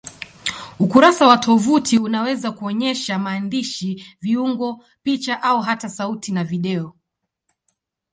Ukurasa wa tovuti unaweza kuonyesha maandishi, viungo, picha au hata sauti na video.